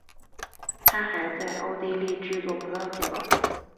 他还在奥地利制作葡萄酒。